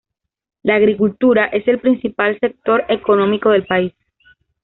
La agricultura es el principal sector económico del país.